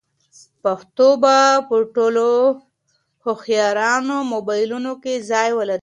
پښتو به په ټولو هوښیارانو موبایلونو کې ځای ولري.